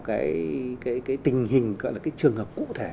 cái tình hình gọi là cái trường hợp cụ thể